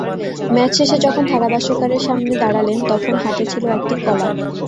Match শেষে যখন ধারাভাষ্যকারের সামনে দাঁড়ালেন, তখন হাতে ছিল একটি কলা।